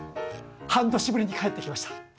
半年ぶりに帰ってきました。